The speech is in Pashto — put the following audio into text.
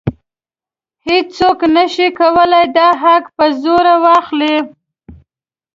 هیڅوک نشي کولی دا حق په زور واخلي.